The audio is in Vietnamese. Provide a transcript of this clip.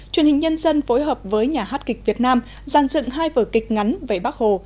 truyền hình nhân dân phối hợp với nhà hát kịch việt nam gian dựng hai vở kịch ngắn về bắc hồ